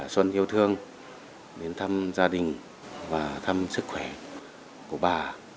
xuân yêu thương đến thăm gia đình và thăm sức khỏe của bà